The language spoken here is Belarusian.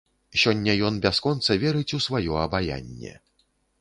Сёння ён бясконца верыць у сваё абаянне.